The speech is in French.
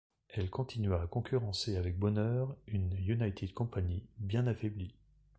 Elle continua à concurrencer avec bonheur une United Company bien affaiblie.